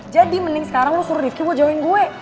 jadi mending sekarang lo suruh rivki mau jauhin gue